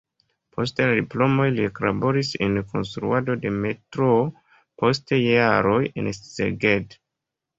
Post la diplomoj li eklaboris en konstruado de metroo, post jaroj en Szeged.